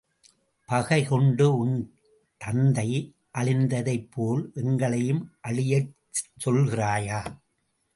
பகைகொண்டு உன் தந்தை அழிந்ததைப் போல் எங்களையும் அழியச் சொல்கிறாயா?